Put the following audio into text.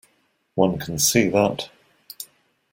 One can see that.